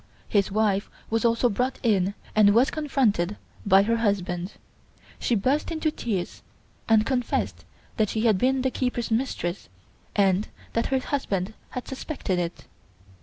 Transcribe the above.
His wife was also brought in and was confronted by her husband. She burst into tears and confessed that she had been the keeper's mistress, and that her husband had suspected it.